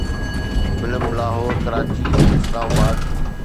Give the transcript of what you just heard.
film Lahore, Karachi ۽ اسلام آباد